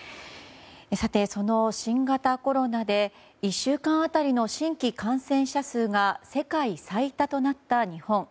さて、その新型コロナで１週間当たりの新規感染者数が世界最多となった日本。